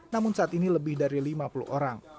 namun saat ini lebih dari lima puluh orang